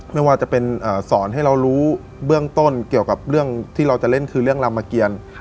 ไม่ว่าจะเป็นสอนให้เรารู้เบื้องต้นเกี่ยวกับเรื่องที่เราจะเล่นคือเรื่องรามเกียร